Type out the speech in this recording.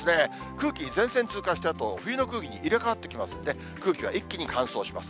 空気、前線通過したあと、冬の空気に入れ代わってきますので、空気が一気に乾燥します。